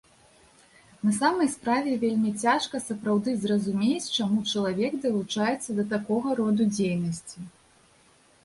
На самай справе вельмі цяжка сапраўды зразумець, чаму чалавек далучаецца да такога роду дзейнасці.